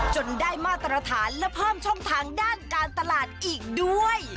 จนได้มาตรฐานและเพิ่มช่องทางด้านการตลาดอีกด้วย